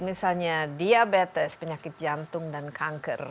misalnya diabetes penyakit jantung dan kanker